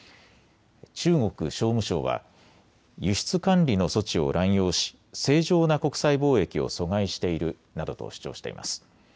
中国商務省は輸出管理の措置を乱用し正常な国際貿易を阻害しているなどと主張しています。